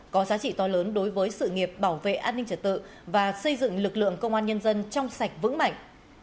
có giá trị to lớn đối với sự nghiệp bảo vệ an ninh trật tự và xây dựng lực lượng công an nhân dân trong sạch vững mạnh